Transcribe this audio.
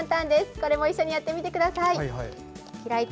これも一緒にやってみてください。